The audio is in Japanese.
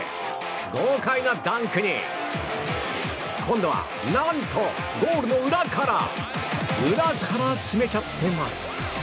豪快なダンクに今度は、何とゴールの裏から決めちゃっています。